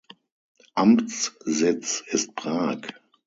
Amtssitz ist Prag.